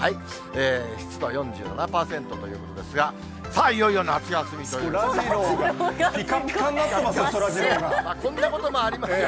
湿度４７％ということですが、さあ、いよいよ夏休みということそらジローがぴかぴかになっこんなこともありますよ。